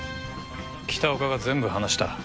北岡が全部話した。